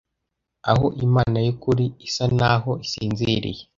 aho imana y'ukuri isa naho isinziriye